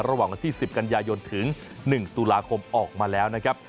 วันที่๑๐กันยายนถึง๑ตุลาคมออกมาแล้วนะครับ